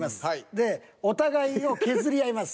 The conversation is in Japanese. でお互いを削り合います。